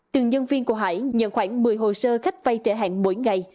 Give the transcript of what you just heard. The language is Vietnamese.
từng nhân viên của hải nhận khoảng một mươi hồ sơ khách vai trẻ hạn mỗi ngày